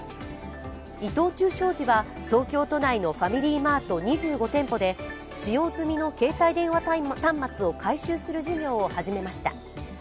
伊藤忠商事は東京都内のファミリーマート、２５店舗で使用済みの携帯電話端末を回収する事業を始めました。